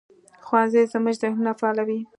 ښوونځی زموږ ذهنونه فعالوي